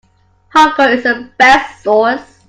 Hunger is the best sauce.